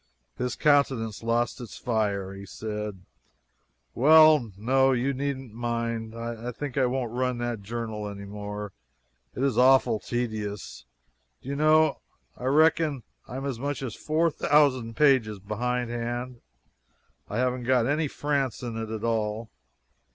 His countenance lost its fire. He said: "Well, no, you needn't mind. I think I won't run that journal anymore. It is awful tedious. Do you know I reckon I'm as much as four thousand pages behind hand. I haven't got any France in it at all.